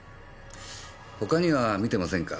他には見てませんか？